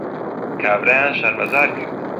کابرایان شەرمەزار کرد